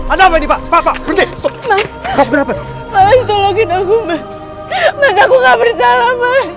ada apa ini pak berhenti mas tolongin aku mas aku gak bersalah mas